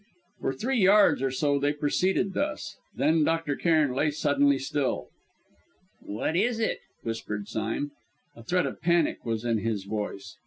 For three yards or so they proceeded thus. Then Dr. Cairn lay suddenly still. "What is it?" whispered Sime. A threat of panic was in his voice.